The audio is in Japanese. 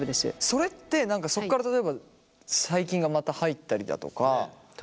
それって何かそこから例えば細菌がまた入ったりだとか。